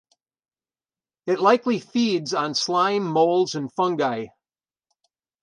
It likely feeds on slime molds and fungi.